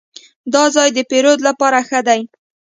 دا ځای د پیرود لپاره ښه دی.